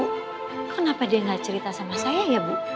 kenapa dia nggak cerita sama saya ya bu